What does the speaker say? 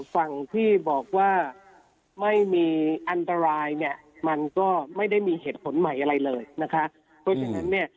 ฟังที่บอกว่าไม่มีอันตรายอย่างแม่มันก็ไม่ได้มีเหตุผลใหม่อะไรเลยนะคะ